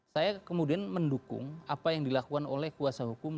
saya kemudian mendukung apa yang dilakukan oleh kuasa hukum